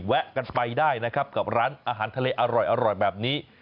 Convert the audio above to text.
แวะกันไปได้นะครับกับร้านอาหารทะเลอร่อยแบบนี้